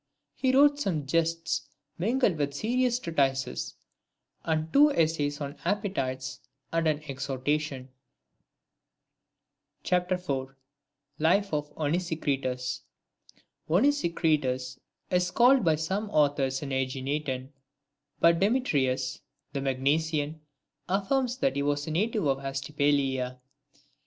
III. He wrote some jests mingled with serious treatises, and two essays on the Appetites, and an Exhortation. LIFE OF ONESICRITUS. I. OSNESICKITUS is called by some authors an JEginetan, but Demetrius the Magnesian affirms that he was a native of Astypalaea.